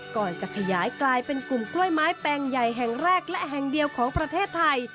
ก่อนจะขยายกลายเป็นกลุ่มกล้วยไม้แปลงใหญ่แห่งแรกและแห่งเดียวของประเทศไทย